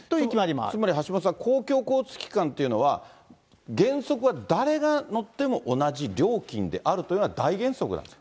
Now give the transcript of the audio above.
つまり橋下さん、公共交通機関というのは、原則は誰が乗っても同じ料金であるというのが大原則なんです。